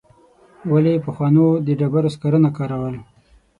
ولي پخوانو د ډبرو سکاره نه کارول؟